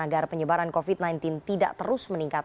agar penyebaran covid sembilan belas tidak terus meningkat